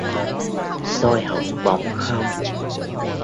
Xôi hỏng bỏng không